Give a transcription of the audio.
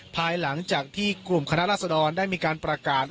ภายหลังจากที่กลุ่มคณะราษฎรได้มีการประกาศ